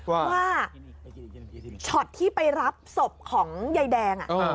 ว่าช็อตที่ไปรับศพของยายแดง